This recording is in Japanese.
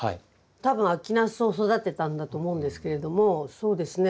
多分秋ナスを育てたんだと思うんですけれどもそうですね